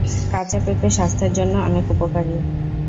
কাঁচা পেঁপে স্বাস্থ্যের জন্য অনেক উপকারী।